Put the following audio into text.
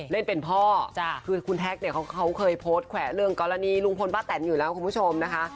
เล่นเป็นพ่อคือคุณแท็กเนี่ยเขาเคยโพสต์แขวะเรื่องกรณีลุงพลป้าแตนอยู่แล้วคุณผู้ชมนะคะ